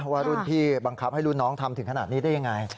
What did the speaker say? ว่ารุ่นพี่บังคับให้รุ่นน้องทำถึงขนาดนี้ได้ยังไง